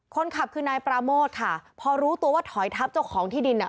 คนขับคือนายปราโมทค่ะพอรู้ตัวว่าถอยทับเจ้าของที่ดินอ่ะ